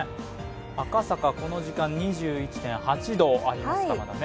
赤坂、この時間２１．８度ありますからね。